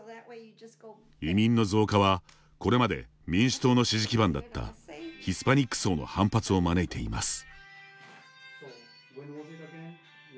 移民の増加はこれまで民主党の支持基盤だったヒスパニック層の反発を招いています。